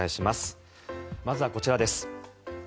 まずはこちらです。